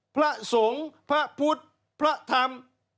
พระสงฆ์พระพุทธพระธรรม